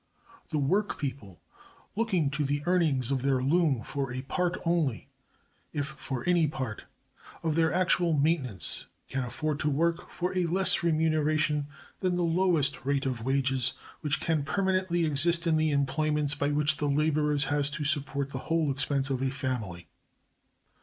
The work people, looking to the earnings of their loom for a part only, if for any part, of their actual maintenance, can afford to work for a less remuneration than the lowest rate of wages which can permanently exist in the employments by which the laborer has to support the whole expense of a family.